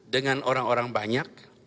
dengan orang orang banyak